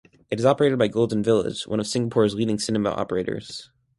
It is operated by Golden Village, one of Singapore's leading cinema operators.